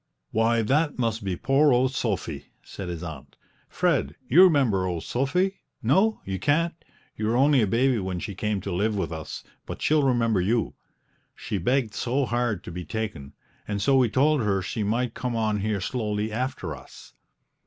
"Why, that must be poor old Sophy!" said his aunt. "Fred, you remember old Sophy no, you can't; you were only a baby when she came to live with us, but she'll remember you. She begged so hard to be taken, and so we told her she might come on here slowly after us."